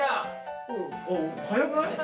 あ早くない？